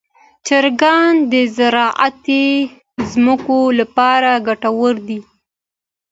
چرګان د زراعتي ځمکو لپاره ګټور دي.